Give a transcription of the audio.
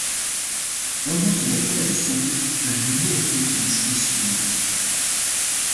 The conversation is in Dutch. Wel moeten wij blijven zoeken naar nieuwe ontwikkelingsinstrumenten.